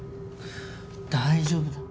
大丈夫だ。